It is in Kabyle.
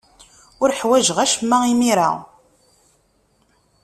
Ur ḥwajeɣ acemma imir-a.